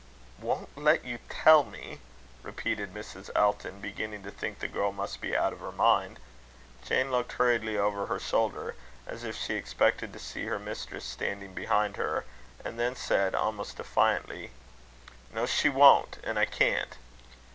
"Won't let you tell me?" repeated Mrs. Elton, beginning to think the girl must be out of her mind. Jane looked hurriedly over her shoulder, as if she expected to see her mistress standing behind her, and then said, almost defiantly: "No, she won't; and I can't."